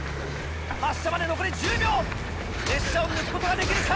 発車まで残り１０秒列車を抜くことができるか？